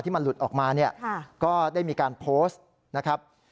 มันหลุดออกมาเนี่ยก็ได้มีการโพสต์นะครับ